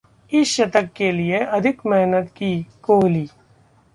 इस शतक के लिये अधिक मेहनत की: कोहली